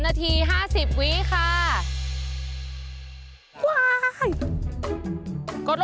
๑๓นาที๕๐วินาทีค่ะ